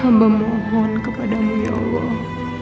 abah mohon kepadamu ya allah